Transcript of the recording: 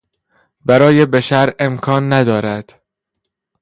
برای بشر امکان ندارد.